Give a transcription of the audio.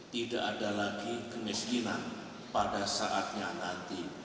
tidak ada lagi kemiskinan pada saatnya nanti